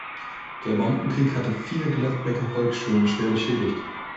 Der Bombenkrieg hatte vier Gladbecker Volksschulen schwer beschädigt.